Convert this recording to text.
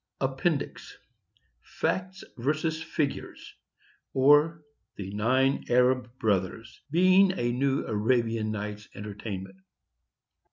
APPENDIX. FACT vs. FIGURES; OR, THE NINE ARAB BROTHERS. BEING A NEW ARABIAN NIGHT'S ENTERTAINMENT.